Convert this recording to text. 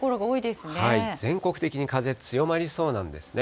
全国的に風、強まりそうなんですね。